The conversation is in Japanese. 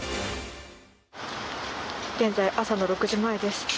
現在、朝の６時前です。